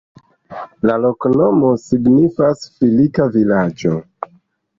La loknomo signifas: filika-vilaĝo.